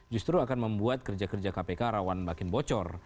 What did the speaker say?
justru akan membuat kerja kerja kpk rawan makin bocor